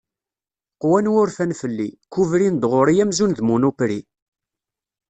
Qwan wurfan fell-i, kkubrin-d ɣur-i amzun d munupri.